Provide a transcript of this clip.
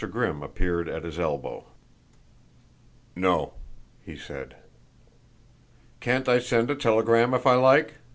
Grimm appeared at his elbow. "No," he said. "Can't I send a telegram if I like?"